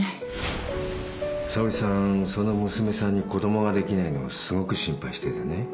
沙織さんその娘さんに子供ができないのをすごく心配しててね。